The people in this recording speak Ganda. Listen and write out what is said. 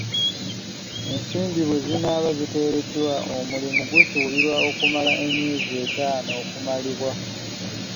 Ensimbi bwe zinaaba ziteereddwa, omulimu gusuubirwa okumala emyezi etaano okumalibwa